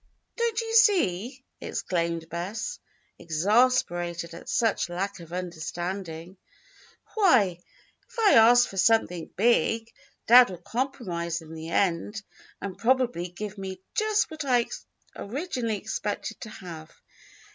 don't you see?" exclaimed Bess, exasperated at such lack of understanding. "Why, if I ask for something big, dad will compromise in the end, and probably give me just what I originally expected to have.